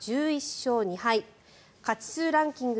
勝２敗勝数ランキング